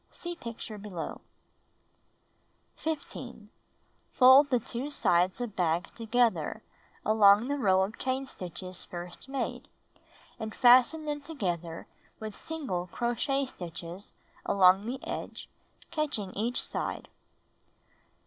(See picture below.) 15. Fold the two sides of bag together, along the row of chain stitches first made, and fasten them together with single crochet stitches along the edge, catching each side.